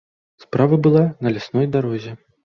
Справа была на лясной дарозе.